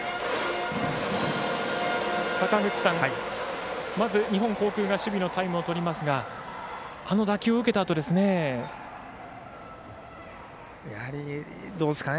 坂口さん、まず日本航空が守備のタイムをとりますがあの打球を受けたあとですね。